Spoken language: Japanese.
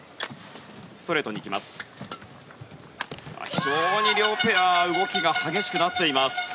非常に両ペア動きが激しくなっています。